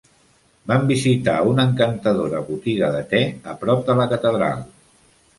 Vam visitar una encantadora botiga de te a prop de la catedral.